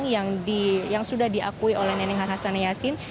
uang yang sudah diakui oleh nenek hasan yasin